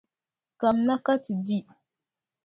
Kamina ka ti di.